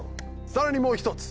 さらにもう一つ。